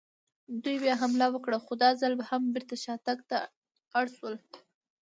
دوی بیا حمله وکړه، خو دا ځل هم بېرته شاتګ ته اړ شول.